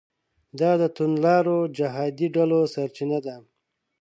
دا د توندلارو جهادي ډلو سرچینه ده.